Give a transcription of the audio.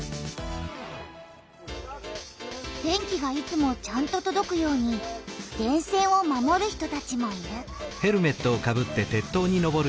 電気がいつもちゃんととどくように「電線」を守る人たちもいる。